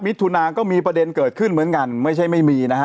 ถุนาก็มีประเด็นเกิดขึ้นเหมือนกันไม่ใช่ไม่มีนะฮะ